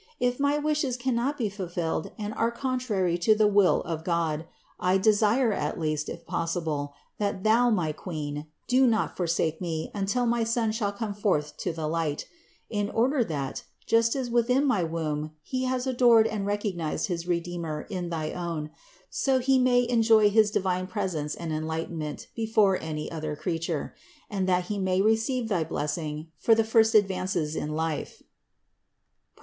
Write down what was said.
If my wishes cannot be fulfilled and are contrary to the will of God, I desire at least, if pos sible, that Thou, my Queen, do not forsake me until my son shall come forth to the light; in order that, just as within my womb he has adored and recognized his Re deemer in thy own, so he may enjoy his divine presence THE INCARNATION 217 and enlightenment before any other creature; and that he may receive thy blessing for the first advances in life (Prov.